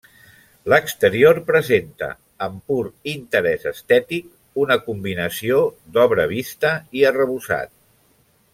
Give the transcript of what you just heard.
L'exterior presenta, amb pur interès estètic, una combinació d'obra vista i arrebossat.